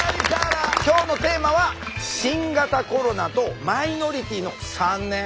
今日のテーマは「新型コロナとマイノリティーの３年」。